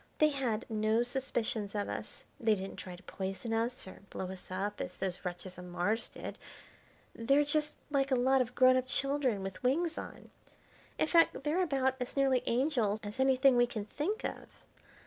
They had no suspicions of us; they didn't try to poison us or blow us up as those wretches on Mars did. They're just like a lot of grown up children with wings on. In fact they're about as nearly angels as anything we can think of.